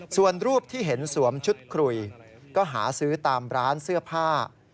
ส่วนรูปที่เห็นสวมชุดคุยก็หาซื้อตามร้านเสื้อผ้า